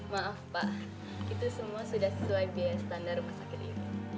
maaf pak itu semua sudah sesuai biaya standar rumah sakit ini